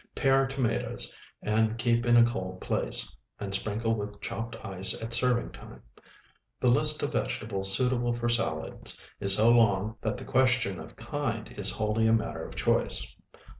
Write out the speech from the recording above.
Pare tomatoes, and keep in a cold place, and sprinkle with chopped ice at serving time. The list of vegetables suitable for salads is so long that the question of kind is wholly a matter of choice.